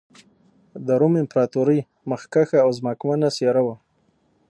د روم امپراتورۍ مخکښه او ځواکمنه څېره وه.